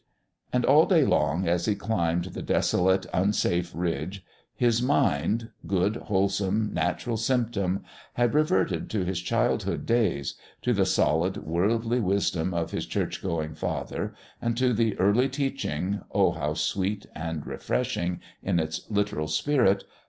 And all day long as he climbed the desolate, unsafe ridge, his mind good, wholesome, natural symptom had reverted to his childhood days, to the solid worldly wisdom of his church going father, and to the early teaching (oh, how sweet and refreshing in its literal spirit!)